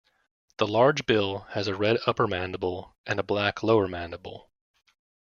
The large bill has a red upper mandible and black lower mandible.